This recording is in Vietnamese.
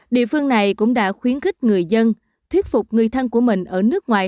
địa phương này cũng đã khuyến khích người dân thuyết phục người thân của mình ở nước ngoài